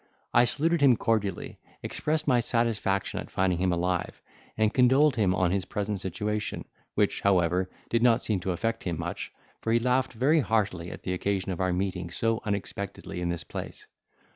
I saluted him cordially, expressed my satisfaction at finding him alive, and condoled him on his present situation, which, however, did not seem to affect him much, for he laughed very heartily at the occasion of our meeting so unexpectedly in this place.